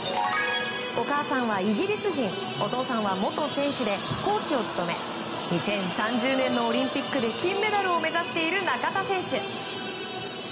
お母さんはイギリス人お父さんは元選手でコーチを務め２０３０年のオリンピックで金メダルを目指している中田選手。